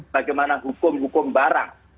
bagaimana hukum hukum barang